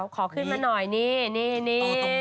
ขอขึ้นมาหน่อยนี่